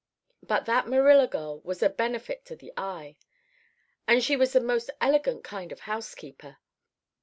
"But that Marilla girl was a benefit to the eye. And she was the most elegant kind of a housekeeper.